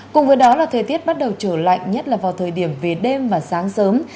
cùng với đó là thời tiết bắt đầu trở lạnh nhất là vào thời điểm về đêm và sáng sớm